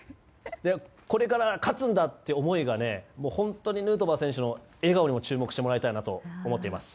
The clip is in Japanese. これから勝つんだという思いが本当にヌートバー選手の笑顔にも注目してもらいたいなと思っています。